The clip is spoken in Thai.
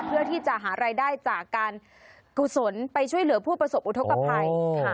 เพื่อที่จะหารายได้จากการกุศลไปช่วยเหลือผู้ประสบอุทธกภัยค่ะ